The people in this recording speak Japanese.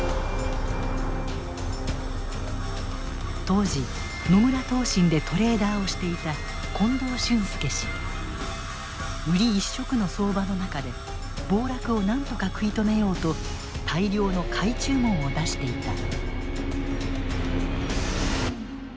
当時野村投信でトレーダーをしていた売り一色の相場の中で暴落をなんとか食い止めようと大量の買い注文を出していた。